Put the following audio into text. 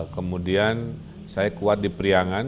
kemudian saya kuat di priangan